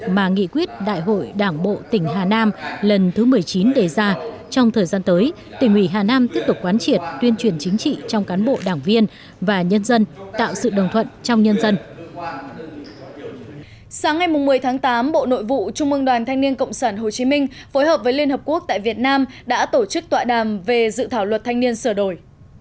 sáng ngày một mươi tháng tám bộ nội vụ trung mương đoàn thanh niên cộng sản hồ chí minh phối hợp với liên hợp quốc tại việt nam đã tổ chức tọa đàm về dự thảo luật thanh niên sửa đổi